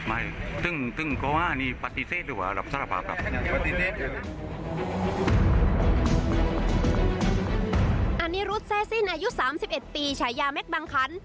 อันนี้รุษเซสินอายุ๓๑ปีใช้ยาแม็กบางคัน